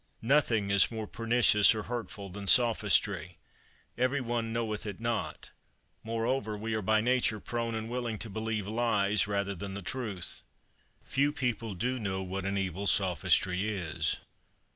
Nothing is more pernicious or hurtful than Sophistry; every one knoweth it not; moreover, we are by nature prone and willing to believe lies rather than the truth. Few people do know what an evil sophistry is.